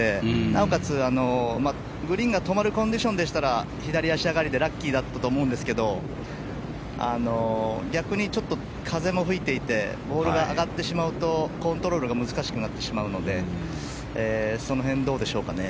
なおかつ、グリーンが止まるコンディションでしたら左足上がりでラッキーだったと思うんですけど逆に、ちょっと風も吹いていてボールが上がってしまうとコントロールが難しくなってしまうのでその辺、どうでしょうかね。